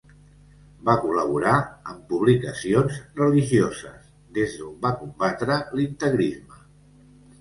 Va col·laborar amb publicacions religioses, des d'on va combatre l'integrisme.